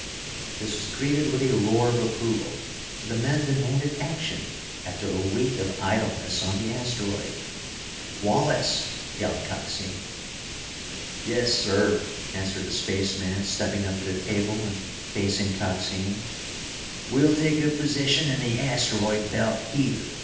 This was greeted with a roar of approval. The men demanded action after a week of idleness on the asteroid. "Wallace!" yelled Coxine. "Yes, sir," answered the spaceman, stepping up to the table and facing Coxine. "We'll take up a position in the asteroid belt, here!"